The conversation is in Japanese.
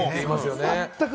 全く。